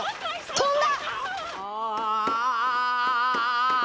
飛んだ！